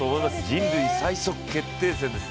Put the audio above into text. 人類最速決定戦です